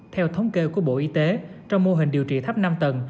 theo thống kê của bộ y tế trong mô hình điều trị thấp năm tầng